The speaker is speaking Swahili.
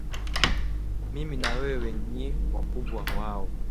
Mimi na wewe n wakubwa wao